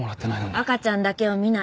赤ちゃんだけを見ない。